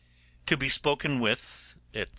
To be spoken with,' &c.